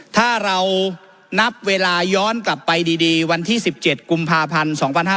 ถ้าเรานับเวลาย้อนกลับไปดีวันที่๑๗กุมภาพันธ์๒๕๕๙